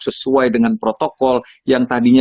sesuai dengan protokol yang tadinya